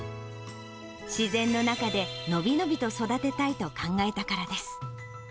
自然の中で伸び伸びと育てたいと考えたからです。